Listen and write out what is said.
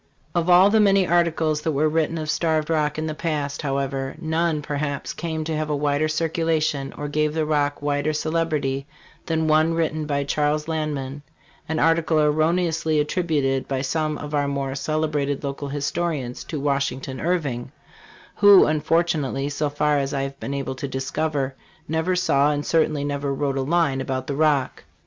Of all the many articles that were written of Starved Rock in the past, however, none, perhaps, came to have a wider circulation, or gave the Rock wider celebrity, than one written by Charles Lanman, an article erroneously attributed by some of our more celebrated local historians to Washington Irving, who unfortunately, so far as I have been able to discover, never saw and certainly never wrote a line about the Rock.